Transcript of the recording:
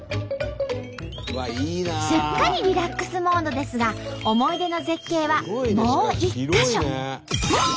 すっかりリラックスモードですが思い出の絶景はもう一か所。